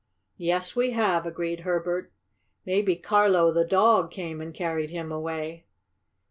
"Yes, we have," agreed Herbert. "Maybe Carlo, the dog, came and carried him away."